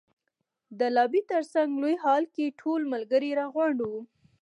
د لابي تر څنګ لوی هال کې ټول ملګري را غونډ وو.